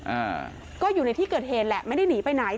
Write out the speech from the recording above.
อ่าก็อยู่ในที่เกิดเหตุแหละไม่ได้หนีไปไหน